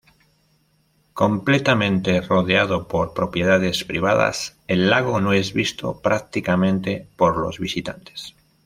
Completamente rodeado por propiedades privadas, el lago no es visto prácticamente por los visitantes.